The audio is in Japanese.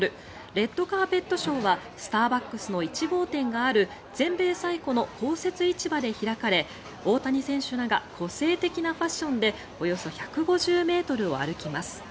レッドカーペットショーはスターバックスの１号店がある全米最古の公設市場で開かれ大谷選手らが個性的なファッションでおよそ１５０ｍを歩きます。